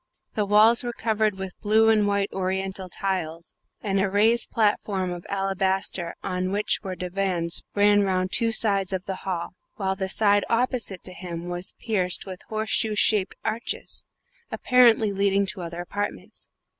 The walls were covered with blue and white Oriental tiles, and a raised platform of alabaster on which were divans ran round two sides of the hall, while the side opposite to him was pierced with horseshoe shaped arches, apparently leading to other apartments.